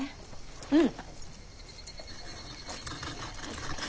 うん。